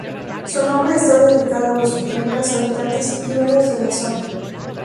Su nombre está dedicado a los primeros habitantes íberos de la zona.